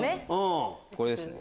これですね。